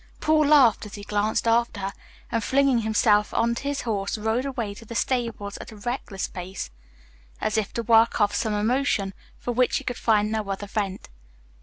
Paul laughed as he glanced after her and, flinging himself onto his horse, rode away to the stables at a reckless pace, as if to work off some emotion for which he could find no other vent.